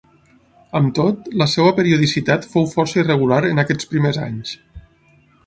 Amb tot, la seva periodicitat fou força irregular en aquests primers anys.